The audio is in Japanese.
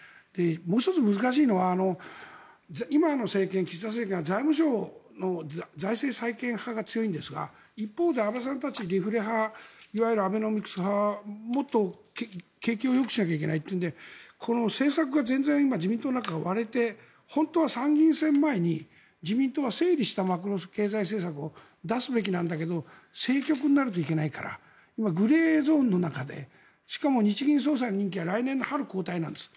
もう１つ難しいのは今の政権岸田政権財務省の財政再建派が強いんですが一方で、安倍さんたちいわゆるアベノミクス派はもっと景気をよくしなきゃいけないというのでこの政策が全然自民党の中が割れて本当は参議院選前に自民党は整理したマクロ経済政策を出すべきなんだけど政局になるといけないからグレーゾーンの中でしかも日銀総裁の任期は来年の春交代なんです。